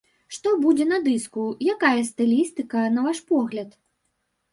Што будзе на дыску, якая стылістыка, на ваш погляд?